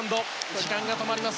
時間が止まります。